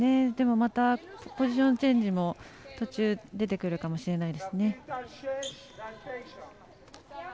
またポジションチェンジも途中、出てくるかもしれません。